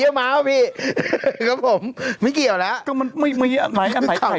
เพราะผมไม่เกี่ยวแล้วแต่มันไม่มีละไอ้ดำบันตาย